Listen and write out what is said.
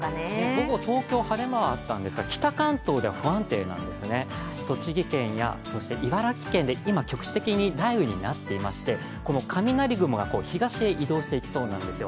午後、東京、晴れ間はあったんですが、北関東では不安定なんですね、栃木県や茨城県で今、局地的に雷雨になっていまして雷雲が東へ移動していきそうなんですよ。